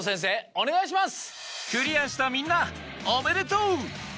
お願いします。